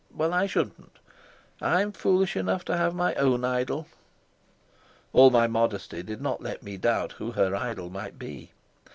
Well, I shouldn't. I am foolish enough to have my own idol." All my modesty did not let me doubt who her idol might be.